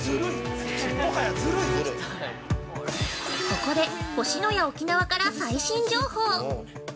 ◆ここで、星のや沖縄から最新情報。